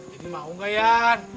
jadi mau gak yan